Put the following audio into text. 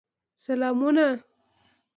سلامونه.